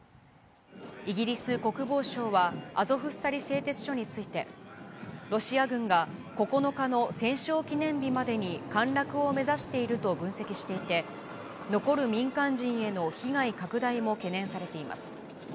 イギリス国防省は、アゾフスタリ製鉄所について、ロシア軍が９日の戦勝記念日までに陥落を目指していると分析していて、残る民間人への被害拡大も懸念されています。